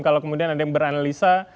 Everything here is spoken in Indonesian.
kalau kemudian ada yang beranalisa